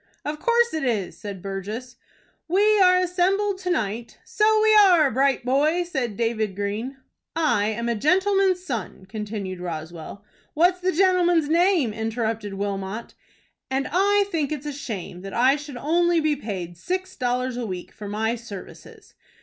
"Of course it is," said Burgess. "We are assembled to night " "So we are. Bright boy!" said David Green. "I am a gentleman's son," continued Roswell. "What's the gentleman's name?" interrupted Wilmot. "And I think it's a shame that I should only be paid six dollars a week for my services."